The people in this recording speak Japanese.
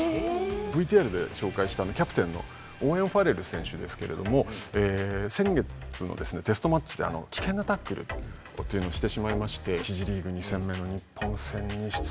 ＶＴＲで紹介したキャプテンのオーウェン・ファレル選手ですけれども先月のテストマッチで危険なタックルというのをしてしまいまして１次リーグ２戦目の日本戦に出場できないと。